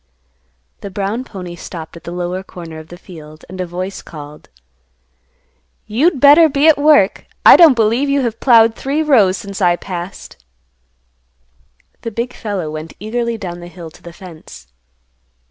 The brown pony stopped at the lower corner of the field, and a voice called, "You'd better be at work. I don't believe you have ploughed three rows since I passed." The big fellow went eagerly down the hill to the fence.